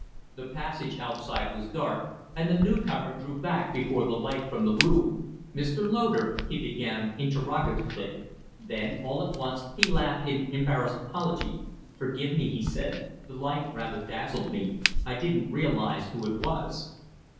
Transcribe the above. The passage outside was dark, and the new comer drew back before the light from the room. "Mr. Loder ?" he began, interrogatively. Then all at once he laughed in embarrassed apology. "Forgive me," he said. "The light rather dazzled me. I didn't realize who it was."